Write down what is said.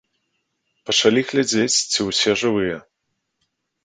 Пачалі глядзець, ці ўсе жывыя.